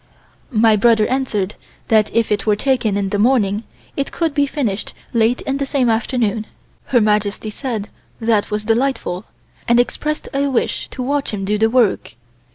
My brother answered that if it were taken in the morning it could be finished late the same afternoon. Her Majesty said that was delightful, and expressed a wish to watch him do the work.